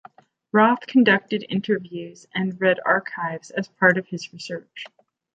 Roth conducted interviews and read archives as part of his research.